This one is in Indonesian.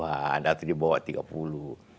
ada yang dibawah tiga puluh